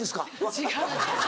違う。